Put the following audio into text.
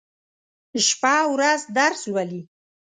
شپه او ورځ درس لولي.